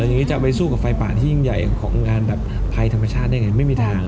อย่างนี้จะไปสู้กับไฟป่าที่ยิ่งใหญ่ของงานแบบภัยธรรมชาติได้ไงไม่มีทาง